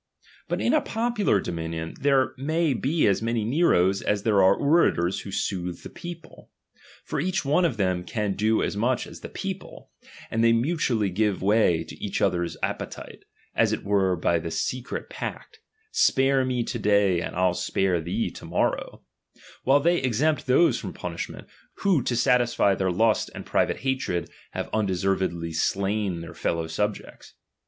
But in a popular *lomiuion, there may be as many Neros as there a. r e orators who soothe \h^ people. For each one c»f them can do as much as the people, and they "^ti Utually give way to each other's appetite, as it ^V^ere by this secret pact, spare me to day and ■f '// spare thee to morrow, while they exempt those f irom punishment, who to satisfy their lust and pri "Vate hatred have undeservedly slain their fellow subjects.